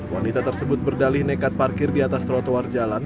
wanita tersebut berdalih nekat parkir di atas trotoar jalan